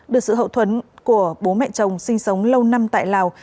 được sự hậu thuẫn của bố mẹ chồng sinh sống lâu năm tại lào